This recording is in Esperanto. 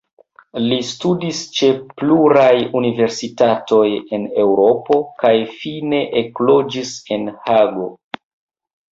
Li studis ĉe pluraj universitatoj en Eŭropo kaj fine ekloĝis en Hago.